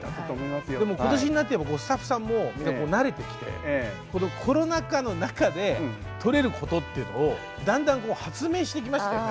でも今年になってやっぱスタッフさんもみんな慣れてきてこのコロナ禍の中で撮れることっていうのをだんだん発明してきましたよね。